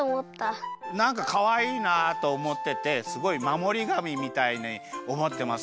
なんかかわいいなあとおもっててすごいまもりがみみたいにおもってます